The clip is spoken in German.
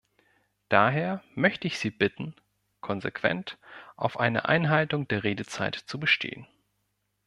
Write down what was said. Daher möchte ich Sie bitten, konsequent auf eine Einhaltung der Redezeit zu bestehen.